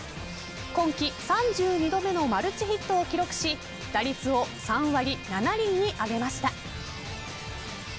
今季、３２度目のマルチヒットを記録し打率を３割７厘に上げました。